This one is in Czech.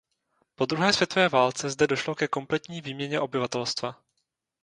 Po druhé světové válce zde došlo ke kompletní výměně obyvatelstva.